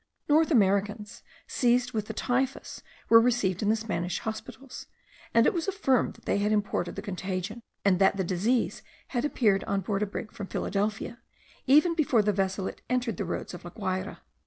North Americans, seized with the typhus, were received in the Spanish hospitals; and it was affirmed that they had imported the contagion, and that the disease had appeared on board a brig from Philadelphia, even before the vessel had entered the roads of La Guayra.